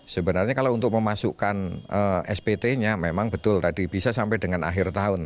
sebenarnya kalau untuk memasukkan spt nya memang betul tadi bisa sampai dengan akhir tahun